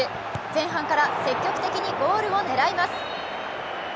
前半から積極的にゴールを狙います。